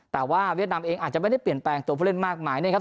แต่ว่าเวียดนามเองอาจจะไม่ได้เปลี่ยนแปลงตัวผู้เล่นมากมายนะครับ